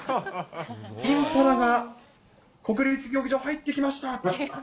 インパラが国立競技場、入ってきました。